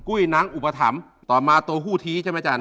ุ้ยนางอุปถัมภ์ต่อมาตัวหู้ชี้ใช่ไหมอาจารย์